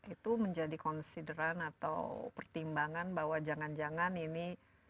itu menjadi konsideran atau pertimbangan bahwa jangan jangan ini